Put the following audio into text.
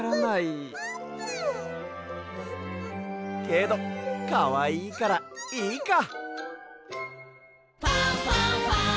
けどかわいいからいいか！